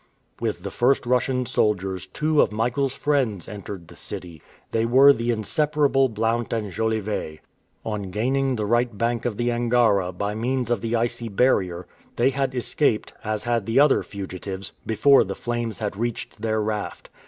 With the first Russian soldiers, two of Michael's friends entered the city. They were the inseparable Blount and Jolivet. On gaining the right bank of the Angara by means of the icy barrier, they had escaped, as had the other fugitives, before the flames had reached their raft.